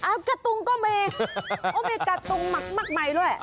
หัวมีกาตุ้งมักไหมด้วย